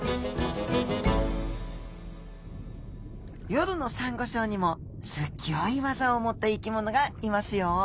夜のサンゴ礁にもすぎょい技を持った生きものがいますよ。